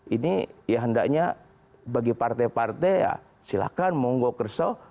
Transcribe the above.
ini ya hendaknya bagi partai partai ya silahkan monggo kersau